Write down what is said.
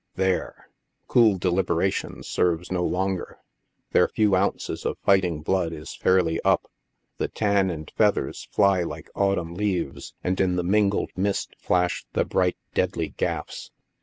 There ! cool deliberation serves no longer 5 their few ounces of fighting blood is fairly up. The tan and feathers fly like autumn leaves, and in the mingled mist flash the bright, deadly gaffs.